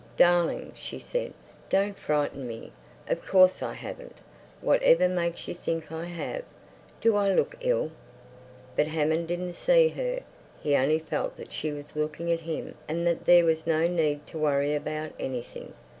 "Darling," she said, "don't frighten me. Of course I haven't! Whatever makes you think I have? Do I look ill?" But Hammond didn't see her. He only felt that she was looking at him and that there was no need to worry about anything.